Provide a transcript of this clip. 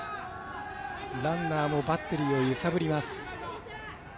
ランナーもバッテリーを揺さぶります。